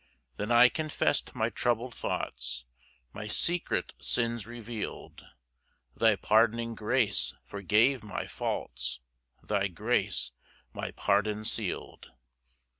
5 Then I confess'd my troubled thoughts, My secret sins reveal'd; Thy pardoning grace forgave my faults, Thy grace my pardon seal'd.